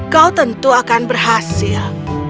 kau tentu akan berhasil